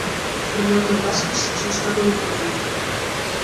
Fernando Vázquez xa está no Deportivo.